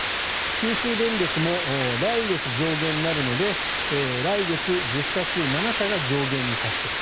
九州電力も来月上限になるので来月１０社中７社が上限に達する。